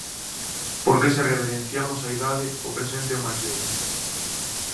Porque se reverenciamos a idade, o presente é o máis vello.